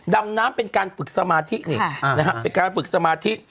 ดำน้ำเป็นการฝึกสมาธินี่นะฮะเป็นการฝึกสมาธิ